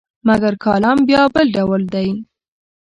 مګر کالم بیا بل ډول دی.